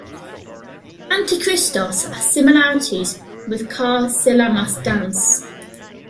Antikristos, has similarities with karsilamas dance.